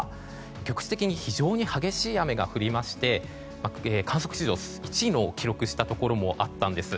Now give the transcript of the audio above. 局地的に非常に激しい雨が降りまして観測史上１位を記録したところもあったんです。